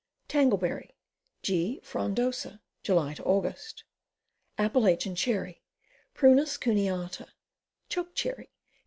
Tangleberry. G. frondosa. Jidy Aug. Appalachian Cherry. Prunus cuneata. Choke Cherry.